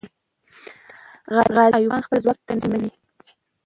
غازي ایوب خان خپل ځواک تنظیموي.